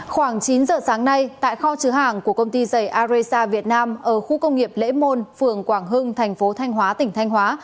hôm nay tại kho chứa hàng của công ty dày aresa việt nam ở khu công nghiệp lễ môn phường quảng hưng thành phố thanh hóa tỉnh thanh hóa